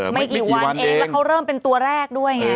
ไม่กี่วันเองแล้วเขาเริ่มเป็นตัวแรกด้วยไง